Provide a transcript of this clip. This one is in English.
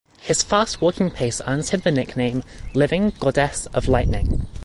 His fast walking pace earns him the nickname "Living Goddess of Lightning".